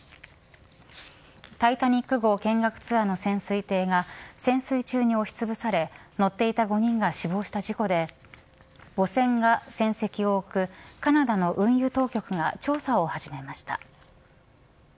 タイタニック号見学ツアーの潜水艇が潜水中に押しつぶされ乗っていた５人が死亡した事故で母船が船籍を置くカナダの運輸当局が調査を始めました。